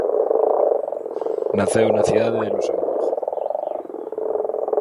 Naceu na cidade de Luxemburgo.